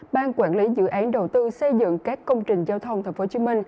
ban quản lý dự án đầu tư xây dựng các công trình giao thông tp hcm